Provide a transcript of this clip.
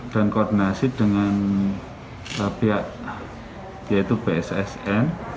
koordinasi dengan pihak yaitu bssn